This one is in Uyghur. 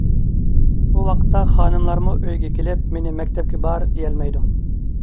ئۇ ۋاقىتتا خانىملارمۇ ئۆيگە كېلىپ مېنى مەكتەپكە بار دېيەلمەيدۇ.